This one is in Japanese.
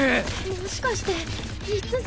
もしかして逸材？